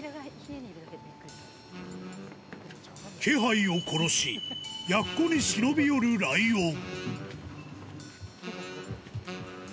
気配を殺し、奴に忍び寄るライオン。